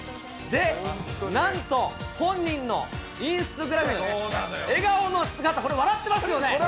で、なんと、本人のインスタグラムに、笑顔の姿、これ、笑ってますよね。